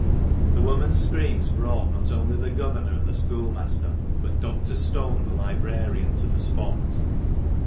The woman's screams brought not only the governor and the school master, but Dr. Stone, the librarian, to the spot.